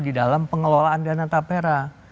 di dalam pengelolaan dana tapera